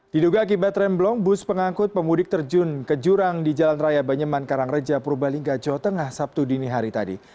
diduga akibat remblong bus pengangkut pemudik terjun ke jurang di jalan raya banyeman karangreja purbalingga jawa tengah sabtu dini hari tadi